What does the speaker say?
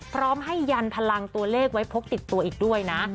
พร้อมให้ยันพลังตัวเลขไว้พกติดตัวอีกด้วยนะ